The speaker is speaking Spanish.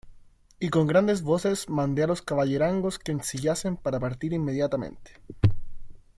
y con grandes voces mandé a los caballerangos que ensillasen para partir inmediatamente.